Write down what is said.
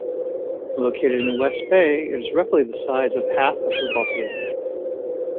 Located in West Bay, it is roughly the size of half a football field.